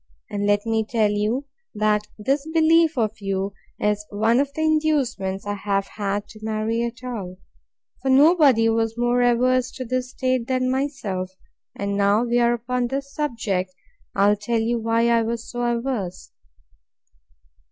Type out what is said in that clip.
And let me tell you, that this belief of you is one of the inducements I have had to marry at all: for nobody was more averse to this state than myself; and, now we are upon this subject, I'll tell you why I was so averse.